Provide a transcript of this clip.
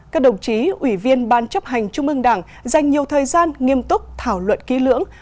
các đồng chí ủy viên ban chấp hành trung ương đảng dành nhiều thời gian nghiêm túc thảo luận ký lưỡng